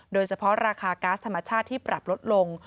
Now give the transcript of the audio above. โดยเฉพาะราคาก๊าซธรรมชาติที่ปรับลดลง